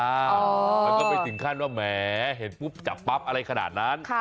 มันก็ไปถึงขั้นว่าเหมียทำมันพุธอะไรขนาดนั้น